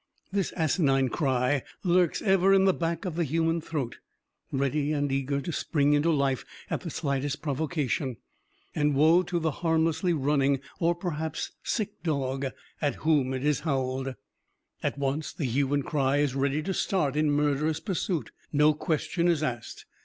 This asinine cry lurks ever in the back of the human throat, ready and eager to spring into life at the slightest provocation. And woe to the harmlessly running or perhaps sick dog at whom it is howled! At once the hue and cry is ready to start in murderous pursuit. No question is asked.